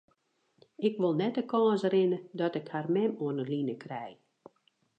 Ik wol net de kâns rinne dat ik har mem oan 'e line krij.